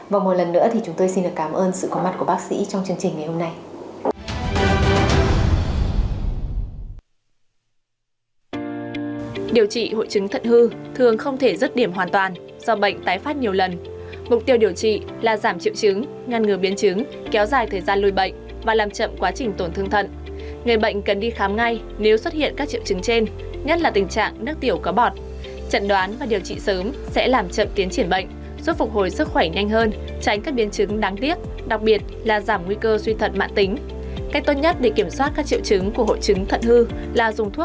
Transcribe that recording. và bộ phim giành cho chương trình ngày hôm nay cũng đã hết